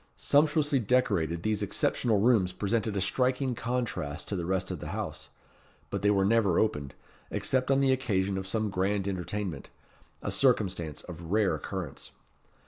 Sumptuously decorated, these exceptional rooms presented a striking contrast to the rest of the house; but they were never opened, except on the occasion of some grand entertainment a circumstance of rare occurrence.